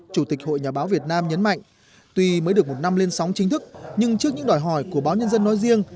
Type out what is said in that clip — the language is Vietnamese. chủ tịch hội nhà báo việt nam nhấn mạnh tuy mới được một năm lên sóng chính thức nhưng trước những đòi hỏi của báo nhân dân nói riêng